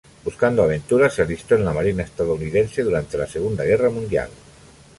Buscando aventuras se alistó en la marina estadounidense durante la Segunda Guerra Mundial.